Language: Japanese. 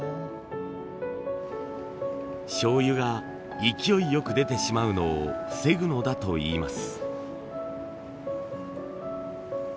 醤油が勢いよく出てしまうのを防ぐのだといいます。